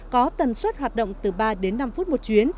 có tần suất hoạt động từ ba đến năm phút một chuyến